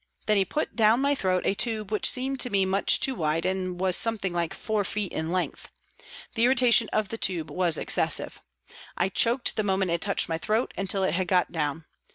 Then he put down my throat a tube which seemed to me much too wide and was something like four feet in length. The irritation of the tube was excessive. I choked the moment it touched my throat until it had got down.